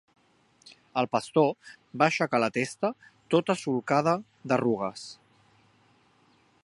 El pastor va aixecar la testa tota solcada d'arrugues